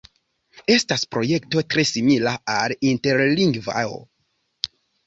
Estas projekto tre simila al Interlingvao.